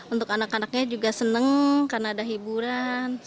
untuk anak anaknya juga senang karena ada hiburan